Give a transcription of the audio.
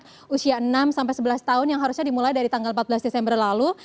pada usia enam sampai sebelas tahun yang harusnya dimulai dari tanggal empat belas desember lalu